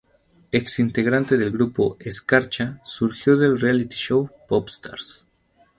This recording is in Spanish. Ex integrante del grupo "Escarcha" surgido del reality show "Popstars".